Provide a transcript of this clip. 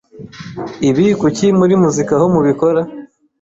ibi kuki muri muzika ho mubikora